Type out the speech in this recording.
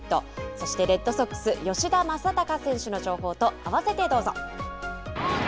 そしてレッドソックス、吉田正尚選手の情報と合わせてどうぞ。